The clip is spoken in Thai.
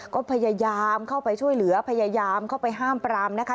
ก็พยายามเข้าไปช่วยเหลือพยายามเข้าไปห้ามปรามนะคะ